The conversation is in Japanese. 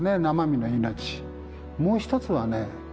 生身の命もう一つはね